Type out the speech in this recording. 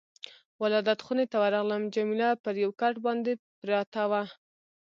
ولادت خونې ته ورغلم، جميله پر یو کټ باندې پرته وه.